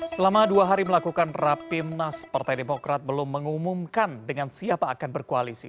selama dua hari melakukan rapimnas partai demokrat belum mengumumkan dengan siapa akan berkoalisi